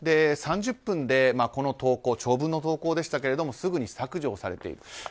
３０分でこの投稿長文の投稿でしたがすぐに削除されている。